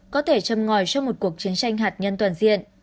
có thể châm ngòi cho một cuộc chiến tranh hạt nhân toàn diện